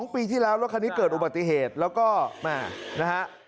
ปีที่แล้วรถคันนี้เกิดอุบัติเหตุแล้วก็แม่นะฮะ